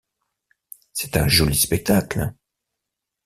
C’est un joli spectacle !